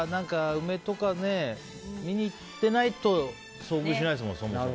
梅とか見に行ってないと遭遇しないですもん、そもそも。